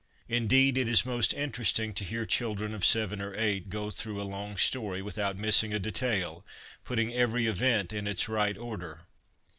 Indeed, it is most interesting to hear children of seven or eight go through a long story without missing a detail, putting every event in its right order.